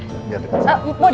mau di sebelah saya sini boleh